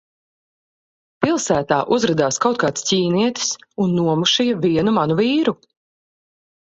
Pilsētā uzradās kaut kāds ķīnietis un nomušīja vienu manu vīru.